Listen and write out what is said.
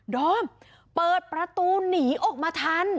ดอมเปิดประตูหนีออกมาทัน